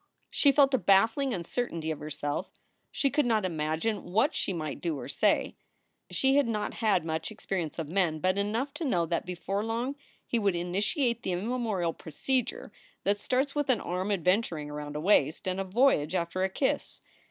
She felt a baffling uncertainty of herself. She could not imagine what she might do or say. She had not had much experience of men, but enough to know that before long he would initiate the immemorial procedure that starts with an arm adventuring about a waist and a voyage after a kiss.